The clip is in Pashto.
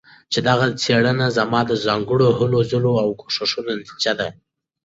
چې دغه څيړنه زما د ځانګړو هلو ځلو او کوښښونو نتيجه ده